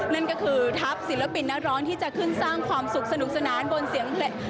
นั่นก็คือทัพศิลปินนักร้องที่จะขึ้นสร้างความสุขสนุกสนานบนเสียงเพลง